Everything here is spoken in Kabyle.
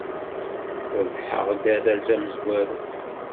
Rebḥeɣ-d arraz amezwaru.